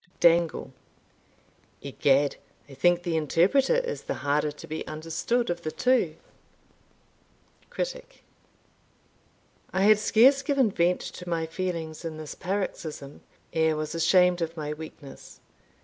Dangle. Egad, I think the interpreter is the harder to be understood of the two. Critic. I had scarce given vent to my feelings in this paroxysm, ere was ashamed of my weakness.